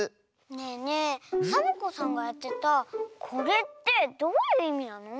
ねえねえサボ子さんがやってたこれってどういういみなの？